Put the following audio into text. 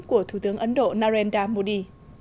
của thủ tướng ấn độ narendra modi